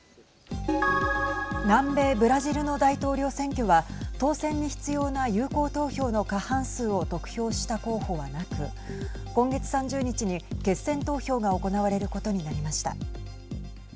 南米ブラジルの大統領選挙は当選に必要な有効投票の過半数を得票した候補はなく今月３０日に決選投票が行われることになりました。